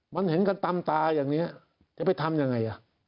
มันเห็นกันตามตาอย่างนี้จะไปทำยังไง